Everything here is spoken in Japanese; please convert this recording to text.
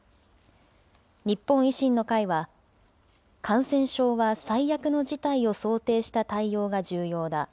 日本維新の会は、感染症は最悪の事態を想定した対応が重要だ。